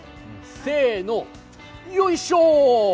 せーの、よいしょ。